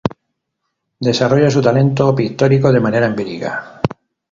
Desarrolló su talento pictórico de manera empírica.